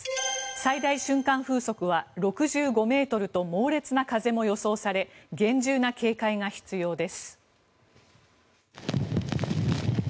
最大瞬間風速は６５ｍと猛烈な風も予想され厳重な警戒が必要です。